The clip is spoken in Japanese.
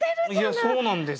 いやそうなんです。